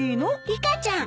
リカちゃん。